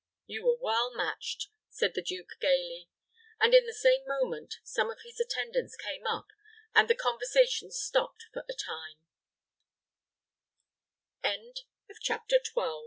"You were well matched," said the duke, gayly; and, at the same moment, some of his attendants came up, and the conversation stopped for the time. CHAPTER XIII.